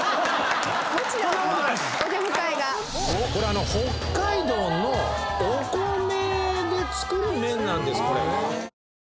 これ北海道のお米で作る麺なんです。